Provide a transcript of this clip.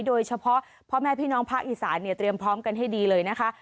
โดยเฉพาะพ่อแม่พี่น้องภาคอีสานเนี่ยเตรียมพร้อมกันให้ดีเลยนะคะ